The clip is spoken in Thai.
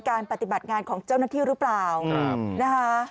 ปฏิบัติงานของเจ้าหน้าที่หรือเปล่านะคะ